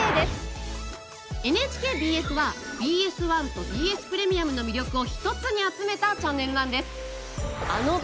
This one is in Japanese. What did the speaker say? ＮＨＫＢＳはＢＳ１とＢＳプレミアムの魅力を一つに集めたチャンネルなんです。